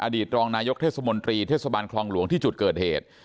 ตรองนายกเทศมนตรีเทศบาลคลองหลวงที่จุดเกิดเหตุ